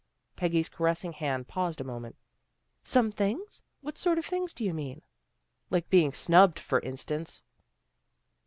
Peggy's caressing hand paused a moment. " Some things! What sort of things do you mean? "" Like being snubbed, for instance."